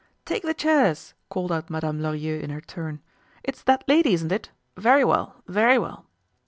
"Take the chairs!" called out Madame Lorilleux in her turn. "It's that lady, isn't it? Very well, very well!"